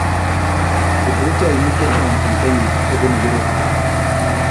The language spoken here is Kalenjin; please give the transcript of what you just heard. Kiprutoinik chechang eng Kenya kobunu Europe